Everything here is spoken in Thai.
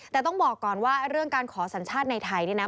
แต่ต้องบอกก่อนว่าเรื่องการขอสัญชาติในไทยเนี่ยนะ